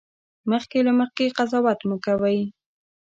مخکې له مخکې قضاوت مه کوئ